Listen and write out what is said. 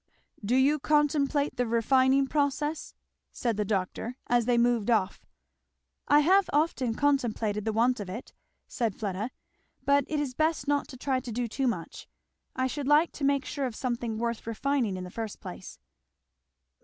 "Do you contemplate the refining process?" said the doctor, as they moved off. "I have often contemplated the want of it," said Fleda; "but it is best not to try to do too much. I should like to make sure of something worth refining in the first place."